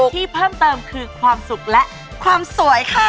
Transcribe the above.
ที่เพิ่มเติมคือความสุขและความสวยค่ะ